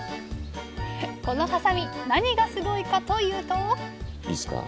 このはさみ何がすごいかというといいっすか。